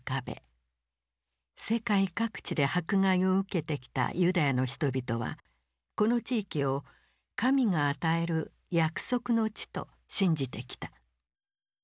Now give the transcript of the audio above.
世界各地で迫害を受けてきたユダヤの人々はこの地域を神が与える約束の地と信じてきた。